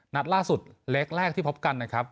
นัดล่าสุดเล็กแรกที่พบกันนะครับ